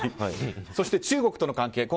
そして中国との関係。